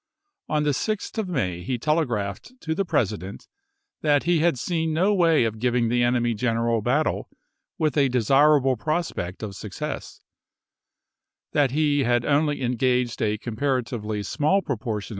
On the 6th of May he telegraphed to the President that he had seen no way of giving the enemy general battle with a desirable prospect of success ; that he Lincoln, had only engaged a comparatively small proportion *: 30 p.